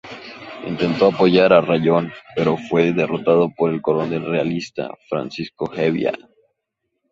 Intentó apoyar a Rayón, pero fue derrotado por el coronel realista Francisco Hevia.